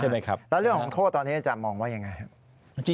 แล้วเรื่องของโทษตอนนี้จะมองไว้อย่างไร